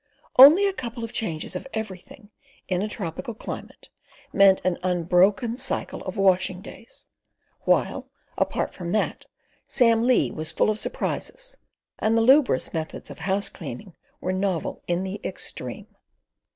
Only a couple of changes of everything, in a tropical climate, meant an unbroken cycle of washing days, while, apart from that, Sam Lee was full of surprises, and the lubras' methods of house cleaning were novel in the extreme.